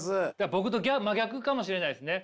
僕と真逆かもしれないですね。